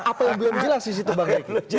apa yang belum jelas di situ bang